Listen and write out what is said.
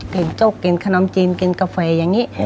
จกกินขนมจีนกินกาแฟอย่างนี้